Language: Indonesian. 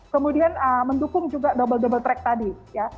kemudian mendukung juga double double track tadi ya